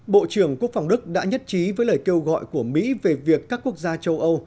bộ trưởng quốc phòng đức đã nhất trí với lời kêu gọi của mỹ về việc các quốc gia châu âu